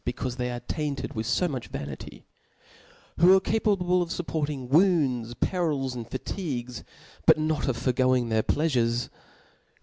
caufc they are tsainted with fo nlueh vanity ; who are capable of fupporting wounds^ perils, and fa^ tjgues^ biiv not of foregoing their pkafures ; who in!